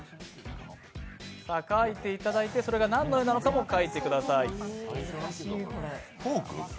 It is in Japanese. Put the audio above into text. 描いていただいて、それが何の絵なのかも描いてください。